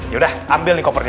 yaudah ambil nih kompor nya